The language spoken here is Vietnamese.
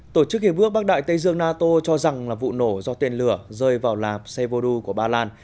tổ chức hiệp ước bắc đại tây dương nato cho rằng là vụ nổ do tên lửa rơi vào lạp sevodu của ba lan